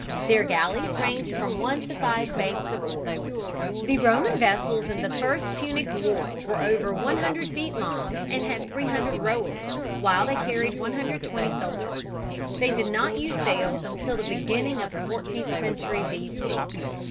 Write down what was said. Their galleys ranged from one to five banks of oars. The Roman vessels in the first Punic war were over 100 feet long and had 300 rowers, while they carried 120 soldiers. They did not use sails until about the beginning of the fourteenth century B. C.